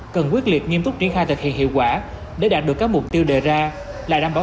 cần quyết liệt nghiêm túc triển khai thực hiện hiệu quả để đạt được các mục tiêu đề ra là đảm bảo